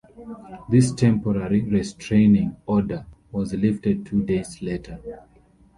This temporary restraining order was lifted two days later.